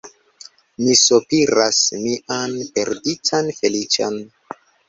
Mi sopiras mian perditan feliĉon.